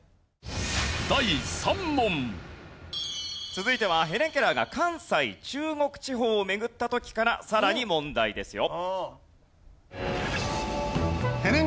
続いてはヘレン・ケラーが関西・中国地方を巡った時からさらに問題ですよ。